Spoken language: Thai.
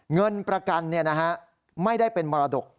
เงินประกันไม่ได้เป็นมรดก